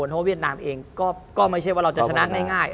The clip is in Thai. เพราะว่าเวียดนามเองก็ไม่ใช่ว่าเราจะชนะง่าย